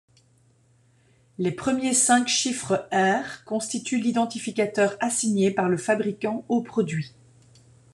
Les premiers cinq chiffres R constituent l'identificateur assigné par le fabricant au produit.